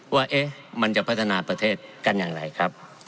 ว่ามันจะพัฒนาประเทศกันอย่างไรครับ